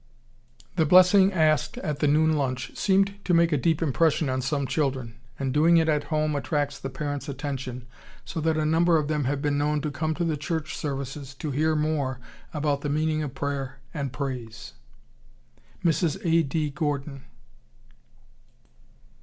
The blessing asked at the noon lunch seemed to make a deep impression on some children, and doing it at home attracts the parents' attention, so that a number of them have been known to come to the church services to hear more about the meaning of prayer and praise. (Mrs. A. D. Gordon.)